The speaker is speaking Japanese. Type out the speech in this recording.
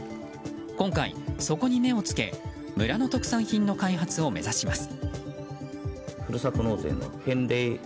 今回、そこに目をつけ村の特産品の開発を目指します。